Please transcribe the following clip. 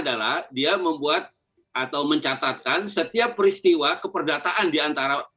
adalah dia membuat atau mencatatkan setiap peristiwa keperdataan diantara